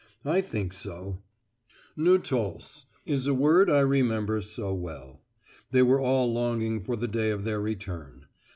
I think so. 'Νόστος' is a word I remember so well. They were all longing for the day of their return.